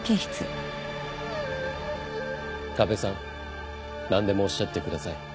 ＫＡＢＥさん何でもおっしゃってください。